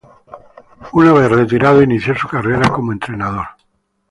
Una vez retirado inició una carrera como entrenador.